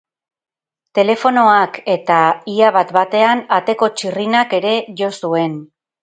Telefonoak eta, ia bat-batean, ateko txirrinak ere jo zuen.